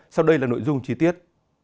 sau đây là nội dung chi tiết